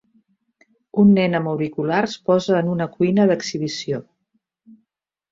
Un nen amb auriculars posa en una cuina d'exhibició.